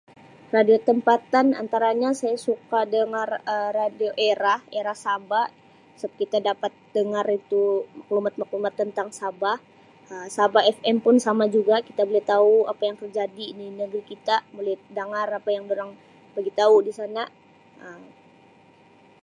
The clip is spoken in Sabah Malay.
Radio tempatan antara nya saya suka dengar Um radio Era Era Saba' seb kita dapat dengar itu maklumat-maklumat tentang Sabah Um Sabah Fm pun sama juga kita buli tau apa yang terjadi di negeri kita buli dangar apa yang dorang bagitau disana Um.